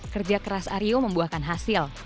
kerja keras aryo membuahkan hasil